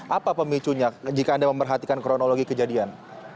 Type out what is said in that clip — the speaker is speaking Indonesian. apa pemicunya jika anda memperhatikan kronologi kejadian